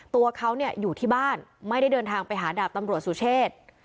ตัวเขาอยู่ที่บ้านไม่ได้เดินทางไปหาดาบตำรวจสุเชษ